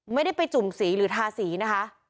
ไม่ได้ไปจุ่มสีหรือทาสีนะคะ